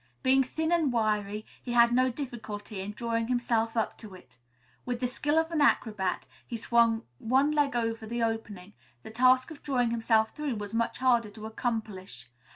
Being thin and wiry, he had no difficulty in drawing himself up to it. With the skill of an acrobat he swung one leg over the opening. The task of drawing himself through was much harder to accomplish.